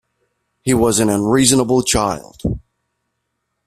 He was an unreasonable child.